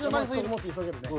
もっと急げるね。